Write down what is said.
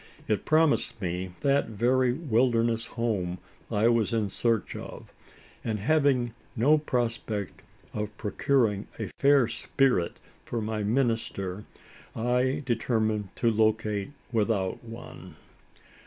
It promised me that very wilderness home I was in search of; and, having no prospect of procuring a fair spirit for my "minister," I determined to "locate" without one.